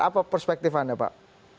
apa perspektif anda pak